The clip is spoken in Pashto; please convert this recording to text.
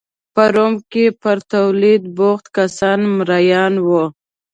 په روم کې پر تولید بوخت کسان مریان وو